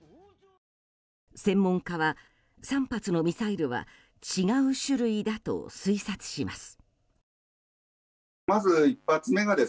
専門家は３発のミサイルは違う種類だと推察します。